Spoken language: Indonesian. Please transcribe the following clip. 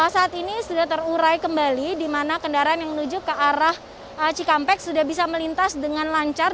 saat ini sudah terurai kembali di mana kendaraan yang menuju ke arah cikampek sudah bisa melintas dengan lancar